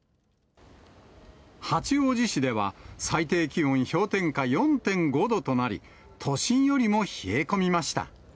八王子市では、最低気温氷点下４．５度となり、都心よりも冷え込みました。